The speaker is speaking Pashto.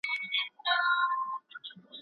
هغوی د سیب په خوړلو بوخت دي.